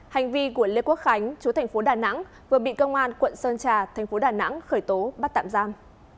hành vi của lê quốc khánh chú thành phố đà nẵng vừa bị công an quận sơn trà thành phố đà nẵng khởi tố bắt tạm giam